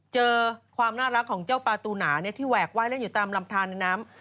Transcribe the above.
เจอความน่ารักของเจ้าปลาตูหนาที่แหวกไห้เล่นอยู่ตามลำทานในน้ำ